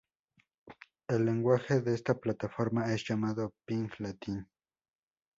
El lenguaje de esta plataforma es llamado Pig Latin.